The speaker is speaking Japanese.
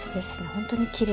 本当にきれい。